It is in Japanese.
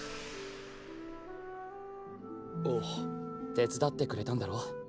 手伝ってくれたんだろ？